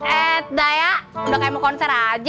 eh udah ya udah kayak mau konser aja